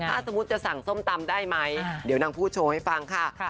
ถ้าสมมุติจะสั่งส้มตำได้ไหมเดี๋ยวนางพูดโชว์ให้ฟังค่ะ